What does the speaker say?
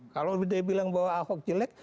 kalau dia bilang bahwa ahok jelek